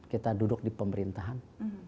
kita duduk di pemerintahan